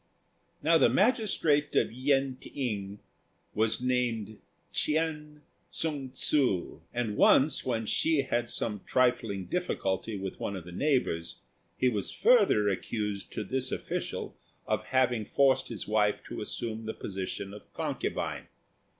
Now the magistrate at Yen t'ing was named Ch'ên Tsung ssŭ, and once when Hsi had some trifling difficulty with one of the neighbours he was further accused to this official of having forced his wife to assume the position of concubine.